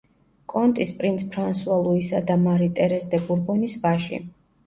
კონტის პრინც ფრანსუა ლუისა და მარი ტერეზ დე ბურბონის ვაჟი.